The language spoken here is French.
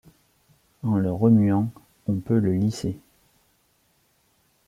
En le remuant, on peut le lisser.